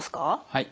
はい。